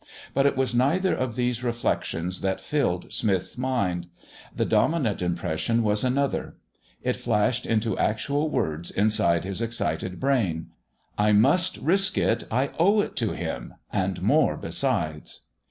But it was neither of these reflections that filled Smith's mind. The dominant impression was another. It flashed into actual words inside his excited brain: "I must risk it. I owe it to him and more besides!"